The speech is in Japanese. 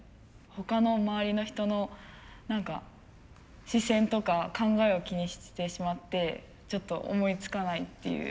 他の周りの人の何か視線とか考えを気にしてしまってちょっと思いつかないっていう。